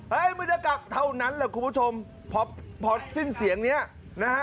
บรรยากาศเท่านั้นแหละคุณผู้ชมพอพอสิ้นเสียงเนี้ยนะฮะ